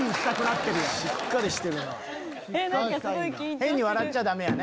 変に笑っちゃダメやね。